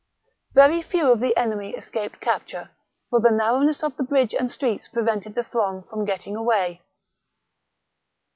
Very few of the enemy escaped capture ; for the narrowness of the bridge and streets prevented the throng from getting away.